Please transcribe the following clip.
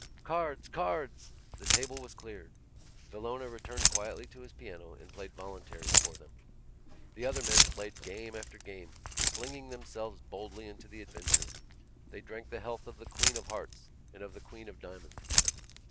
Cards! cards! The table was cleared. Villona returned quietly to his piano and played voluntaries for them. The other men played game after game, flinging themselves boldly into the adventure. They drank the health of the Queen of Hearts and of the Queen of Diamonds.